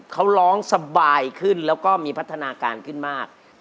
เขาร้องสบายขึ้นแล้วก็มีพัฒนาการขึ้นมาก